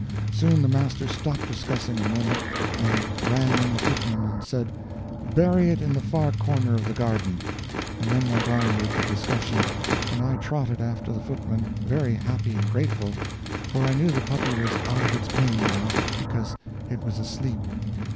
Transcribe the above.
Soon the master stopped discussing a moment, and rang in the footman, and said, "Bury it in the far corner of the garden," and then went on with the discussion, and I trotted after the footman, very happy and grateful, for I knew the puppy was out of its pain now, because it was asleep.